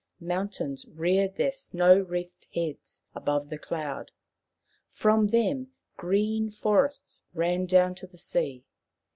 Mountains reared their snow wreathed heads above the cloud ; from them green forests ran down to the sea.